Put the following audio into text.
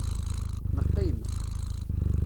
Neqqim.